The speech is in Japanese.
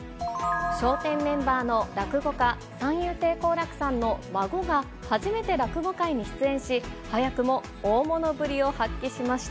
笑点メンバーの落語家、三遊亭好楽さんの孫が、初めて落語会に出演し、早くも大物ぶりをきょう緊張した。